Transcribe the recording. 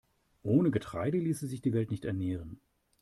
Ohne Getreide ließe sich die Welt nicht ernähren.